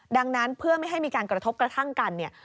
ดังนั้นเพื่อไม่ให้มีการกระทบกระทั่งกันเนี่ย